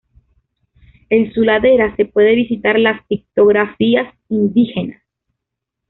En su ladera se puede visitar las pictografías indígenas.